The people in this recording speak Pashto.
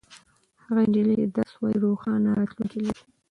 هغه نجلۍ چې درس وايي روښانه راتلونکې لري.